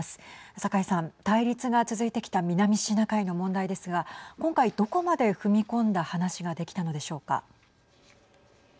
酒井さん、対立が続いてきた南シナ海の問題ですが今回どこまで踏み込んだ話ができたのでしょうか。